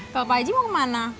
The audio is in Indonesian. kalau pak haji mau kemana